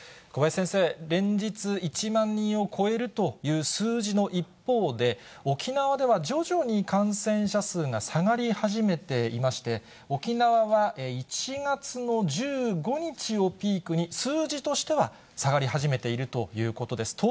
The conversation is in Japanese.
小林先生、連日、１万人を超えるという数字の一方で、沖縄では徐々に感染者数が下がり始めていまして、沖縄は１月の１５日をピークに、数字としては、下がり始めているということです。